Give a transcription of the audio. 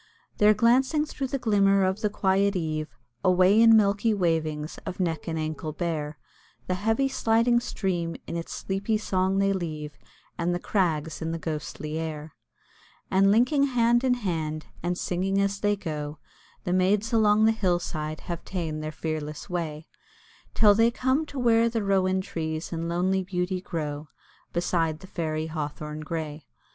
They're glancing through the glimmer of the quiet eve, Away in milky wavings of neck and ankle bare; The heavy sliding stream in its sleepy song they leave, And the crags in the ghostly air: And linking hand in hand, and singing as they go, The maids along the hill side have ta'en their fearless way, Till they come to where the rowan trees in lonely beauty grow Beside the Fairy Hawthorn grey.